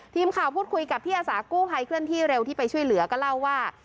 ทีมข่าวพูดคุยกับพี่อาสากู้ภัยเคลื่อนที่เร็วที่ไปช่วยเหลือก็เล่าว่า